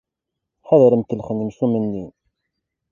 Ḥader ad m-kellxen yimcumen-nni!